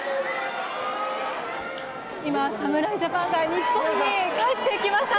今、侍ジャパンが日本に帰ってきました。